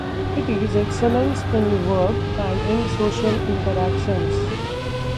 It is excellence in work and in social interactions.